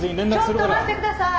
ちょっと待って下さい！